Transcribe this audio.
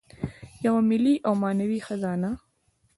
یوه ملي او معنوي خزانه.